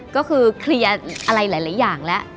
ก็คือเคลียร์อะไรหลายอย่างแล้ว